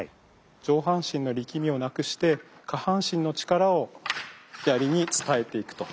上半身の力みをなくして下半身の力を槍に伝えていくと。